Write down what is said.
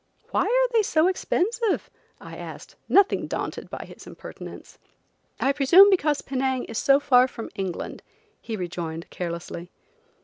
"Why are they so expensive?" I asked, nothing daunted by his impertinence. "I presume because Penang is so far from England," he rejoined, carelessly.